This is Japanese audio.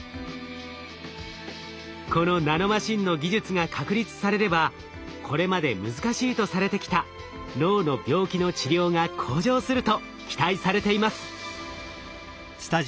このナノマシンの技術が確立されればこれまで難しいとされてきた脳の病気の治療が向上すると期待されています。